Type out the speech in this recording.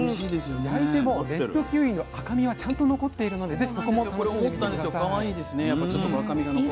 焼いてもレッドキウイの赤みはちゃんと残っているのでぜひそこも楽しんでみて下さい。